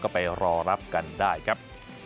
ก็ไปรอรับกันได้ครับ